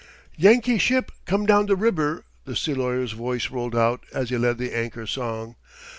"'Yankee ship come down the ribber!'" the sea lawyer's voice rolled out as he led the anchor song.